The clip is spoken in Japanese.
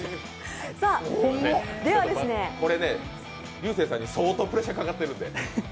リューセーさんに相当プレッシャーかかってるんで。